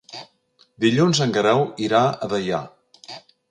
Dilluns en Guerau irà a Deià.